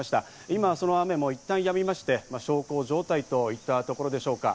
今、その雨もいったんやみまして、小康状態といったところでしょうか。